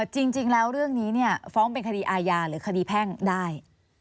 จริงแล้วเรื่องนี้ฟ้องเป็นคดีอาญาหรือคดีแพ่งได้